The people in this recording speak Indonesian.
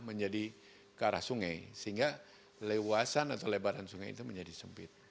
menjadi ke arah sungai sehingga lewasan atau lebaran sungai itu menjadi sempit